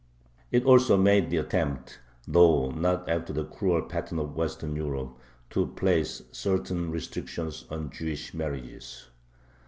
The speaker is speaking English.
It also made the attempt, though not after the cruel pattern of Western Europe, to place certain restrictions on Jewish marriages.